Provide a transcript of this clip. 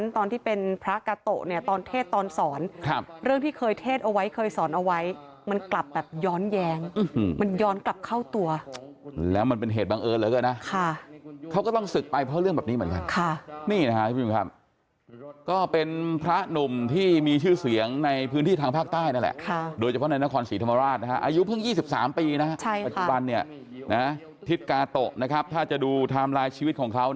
โดยเฉพาะในนครศรีธรรมราชอายุเพิ่ง๒๓ปีปัจจุบันทิศกาโตะถ้าจะดูทามไลน์ชีวิตของเขา